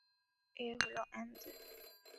এ হলো এমজে।